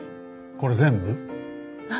これ全部？